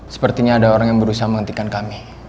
sepertinya ada orang yang berusaha menghentikan kami